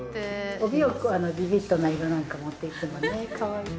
帯をビビットな色なんか持ってきてもねカワイイ。